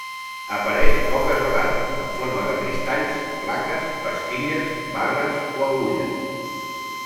Apareix poques vegades en forma de cristalls, plaques, pastilles, barres o agulles.